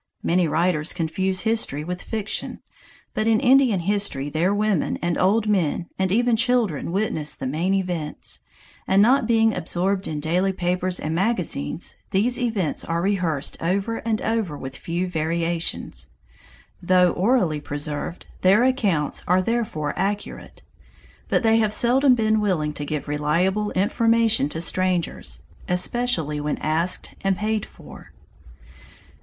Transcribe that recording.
Many writers confuse history with fiction, but in Indian history their women and old men and even children witness the main events, and not being absorbed in daily papers and magazines, these events are rehearsed over and over with few variations. Though orally preserved, their accounts are therefore accurate. But they have seldom been willing to give reliable information to strangers, especially when asked and paid for.